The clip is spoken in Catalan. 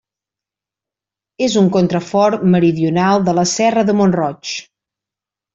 És un contrafort meridional de la serra de Mont-roig.